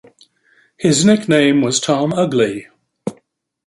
His nickname was Tom Ugly.